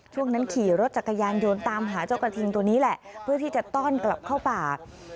ช่วงนั้นขี่รถจักรยานยนต์ตามหาเจ้ากระทิงตัวนี้แหละเพื่อที่จะต้อนกลับเข้าป่า